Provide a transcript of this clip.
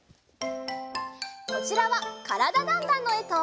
こちらは「からだ★ダンダン」のえと。